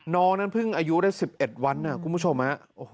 น้องนั้นเพิ่งอายุได้๑๑วันคุณผู้ชม